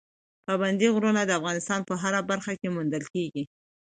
پابندی غرونه د افغانستان په هره برخه کې موندل کېږي.